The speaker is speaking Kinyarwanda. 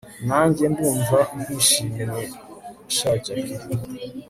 nanjye ndumva nkwishimiye sha jack